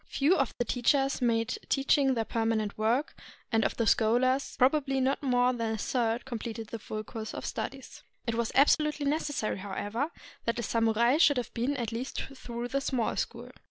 Few of the teachers made teaching their permanent work, and of the scholars, probably not more than a third completed the full course of studies. It was absolutely necessary, however, that a samurai should have been at least through the Small School.